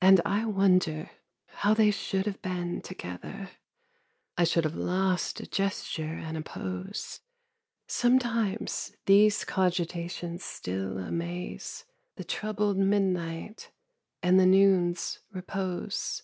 And I wonder how they should have been together! I should have lost a gesture and a pose. Sometimes these cogitations still amaze The troubled midnight and the noon's repose.